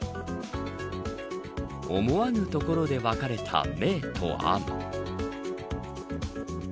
思わぬところで分かれた明と暗。